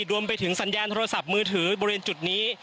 รวมไปถึงสัญญาณโทรศัพท์มือถือบริเวณจุดนี้